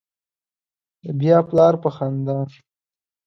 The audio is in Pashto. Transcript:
بیا پلار په خندا